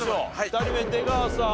２人目出川さん